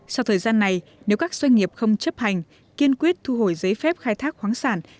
sau thời gian này nếu các doanh nghiệp không chấp hành kiên quyết thu hồi giấy phép khai thác khoáng sản